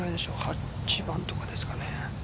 ８番とかですかね。